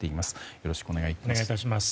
よろしくお願いします。